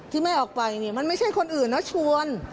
ที่แม่ออกไปเนี่ยมันไม่ใช่คนอื่นนะชวน